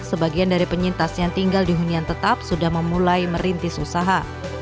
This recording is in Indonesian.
sebagian dari penyintas yang tinggal di hunian tetap sudah memulai merintis usaha